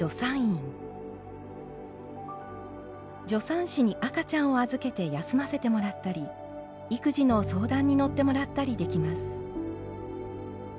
助産師に赤ちゃんを預けて休ませてもらったり育児の相談に乗ってもらったりできます。